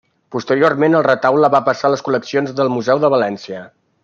Posteriorment el retaule va passar a les col·leccions del museu de València.